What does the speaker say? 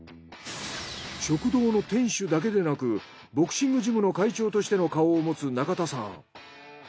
食堂の店主だけでなくボクシングジムの会長としての顔を持つ仲田さん。